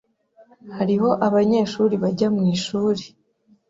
Hariho abanyeshuri bajya mwishuri.